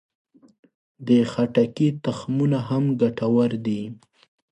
د خټکي تخمونه هم ګټور دي.